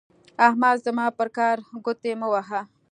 احمده زما پر کار ګوتې مه وهه.